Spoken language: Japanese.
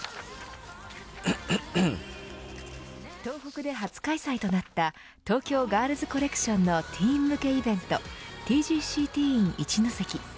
東北で初開催となった東京ガールズコレクションのティーン向けイベントＴＧＣｔｅｅｎＩＣＨＩＮＯＳＥＫＩ。